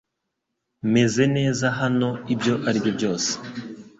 Meze neza hano ibyo ari byo byose